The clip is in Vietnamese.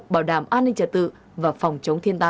bảo đảm an ninh trật tự và phòng chống thiên tai